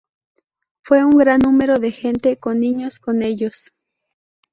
Fue un gran número de gente, con niños con ellos.